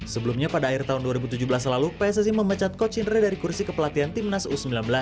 sebelumnya pada akhir tahun dua ribu tujuh belas lalu pssi memecat coach indra dari kursi kepelatihan timnas u sembilan belas